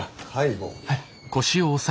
はい。